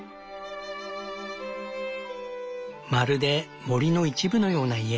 まるで森の一部のような家。